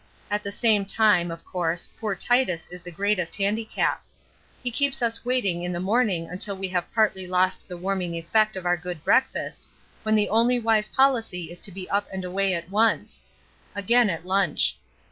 At the same time of course poor Titus is the greatest handicap. He keeps us waiting in the morning until we have partly lost the warming effect of our good breakfast, when the only wise policy is to be up and away at once; again at lunch.